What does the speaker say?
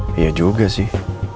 dia juga sih